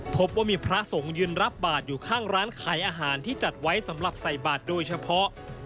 พบว่ามีพระสงฆ์ยืนรับบาทอยู่ข้างร้านขายอาหารที่จัดไว้สำหรับใส่บาทโดยเฉพาะ